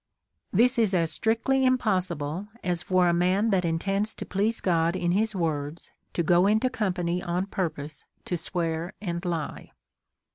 This is as strictly impossible as for a man that in tends to please God in his words to go into company on purpose to swear and lie.